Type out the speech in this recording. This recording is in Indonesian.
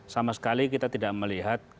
sama sekali kita tidak melihat